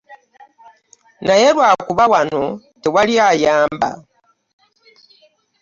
Naye lwakuba wano tewali ayamba.